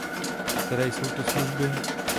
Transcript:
Které jsou to služby?